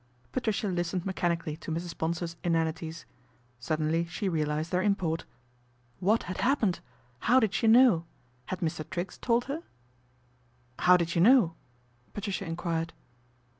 Patricia listened mechanically to Mrs. Bonsor's inanities. Suddenly she realised their import. What had happened ? How did she know ? Had Mr. Triggs told her ?" How did you know ?" Patricia enquired.